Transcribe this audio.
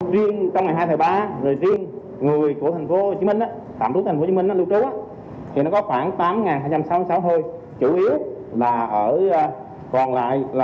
riêng trong ngày hai tháng ba rồi riêng người của tp hcm tạm trú tp hcm lưu trú